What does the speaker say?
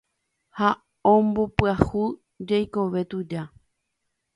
Ha ombopyahu jeikove tuja